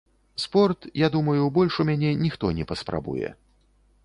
Спорт, я думаю, больш у мяне ніхто не паспрабуе.